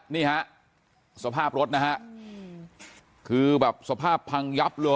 นี่ฮะสภาพรถนะฮะคือแบบสภาพพังยับเลย